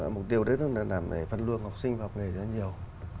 mục tiêu đấy là làm về văn lương học sinh và học nghề rất nhiều